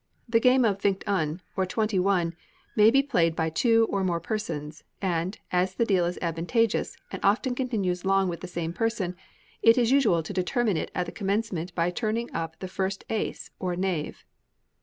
The game of Vingt un, or twenty one, may be played by two or more persons; and, as the deal is advantageous, and often continues long with the same person, it is usual to determine it at the commencement by turning up the first ace, or knave.